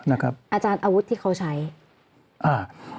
อาจารย์อาวุธที่เขาใช้อ่า